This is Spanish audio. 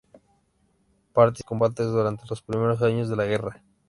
Participó en numerosos combates durante los primeros años de la guerra.